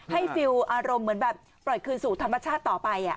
ฟิลล์อารมณ์เหมือนแบบปล่อยคืนสู่ธรรมชาติต่อไป